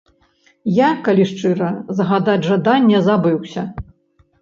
Я, калі шчыра, загадаць жаданне забыўся.